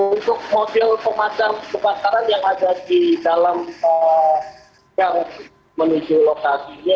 untuk mobil pemadam kebakaran yang ada di dalam yang menuju lokasinya